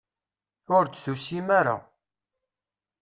Ur d-tusim ara.